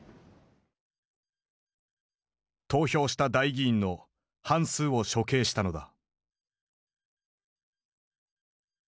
投票した代議員の半数を処刑したのだ。